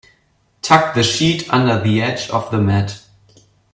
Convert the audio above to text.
Tuck the sheet under the edge of the mat.